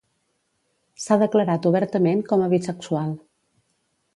S'ha declarat obertament com a bisexual.